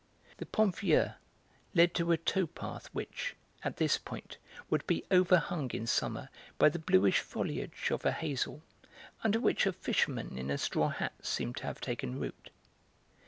The Pont Vieux led to a tow path which, at this point, would be overhung in summer by the bluish foliage of a hazel, under which a fisherman in a straw hat seemed to have taken root.